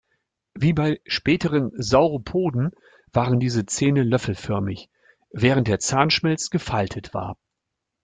Wie bei späteren Sauropoden waren diese Zähne löffelförmig, während der Zahnschmelz gefaltet war.